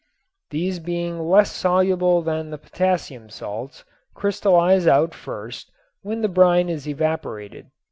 These being less soluble than the potassium salts crystallize out first when the brine is evaporated.